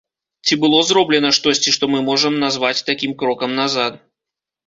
Ці было зроблена штосьці, што мы можам назваць такім крокам назад?